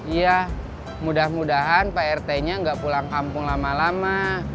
ya mudah mudahan pak rt nya nggak pulang kampung lama lama